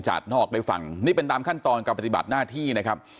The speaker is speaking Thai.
นอกได้ฟังนี่เป็นตามขั้นตอนการปฏิบัติหน้าที่นะครับ